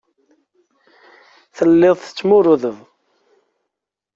Telliḍ tettmurudeḍ.